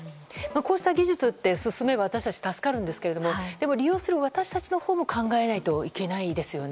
こうした技術って進めば私たち助かるんですけれどもでも、利用する私たちのほうも考えないといけないですよね。